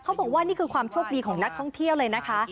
เขาบอกว่านี่คือความโชคดีของนักท่องเที่ยวเลยนะคะ